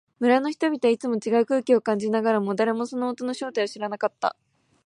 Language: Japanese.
村の人々はいつもと違う空気を感じながらも、誰もその音の正体を知らなかった。